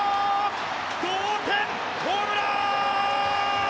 同点ホームラン！